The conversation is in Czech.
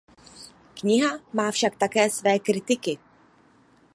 Kniha má však také své kritiky.